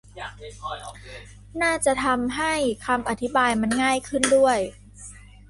น่าจะทำให้คำอธิบายมันง่ายขึ้นด้วย